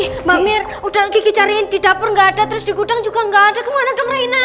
ih mbak mir udah gigi cariin di dapur gak ada terus di gudang juga gak ada kemana dong reina